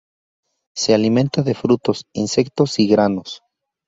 Se alimenta de frutos, insectos y granos.